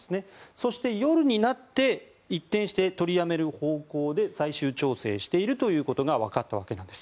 そして、夜になって一転して取りやめる方向で最終調整しているということがわかったわけなんです。